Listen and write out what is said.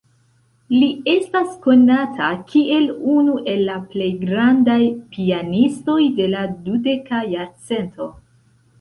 Li estas konata kiel unu el la plej grandaj pianistoj de la dudeka jarcento.